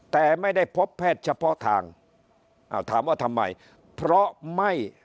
แต่ไม่ได้พบแพทย์เฉพาะทางถามว่าทำไม